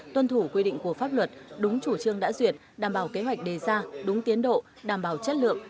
tuân thủ quy định của pháp luật đúng chủ trương đã duyệt đảm bảo kế hoạch đề ra đúng tiến độ đảm bảo chất lượng